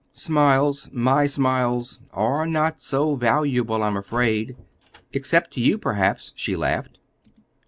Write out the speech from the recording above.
"Smiles my smiles are not so valuable, I'm afraid except to you, perhaps," she laughed.